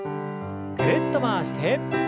ぐるっと回して。